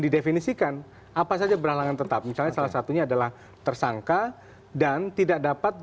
didefinisikan apa saja berhalangan tetap misalnya salah satunya adalah tersangka dan tidak dapat